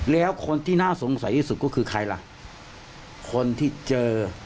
แล้วคนที่น่าสงสัยที่สุดก็คือใครล่ะคนที่เจอ